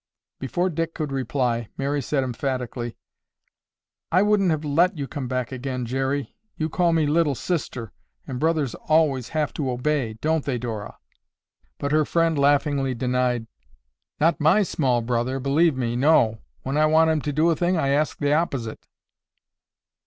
Before Dick could reply, Mary said emphatically, "I wouldn't have let you come back again, Jerry. You call me 'Little Sister,' and brothers always have to obey, don't they, Dora?" But her friend laughingly denied, "Not my small brother, believe me, NO. When I want him to do a thing, I ask the opposite."